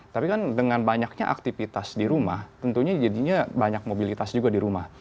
tapi kan dengan banyaknya aktivitas di rumah tentunya jadinya banyak mobilitas juga di rumah